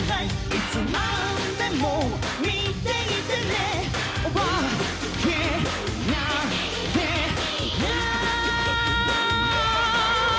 いつまでも見ていてねおばけなんていない！